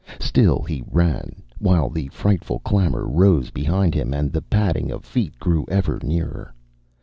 Still he ran, while the frightful clamor rose behind him and the padding of feet grew ever nearer.